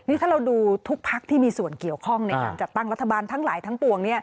นี่ถ้าเราดูทุกพักที่มีส่วนเกี่ยวข้องในการจัดตั้งรัฐบาลทั้งหลายทั้งปวง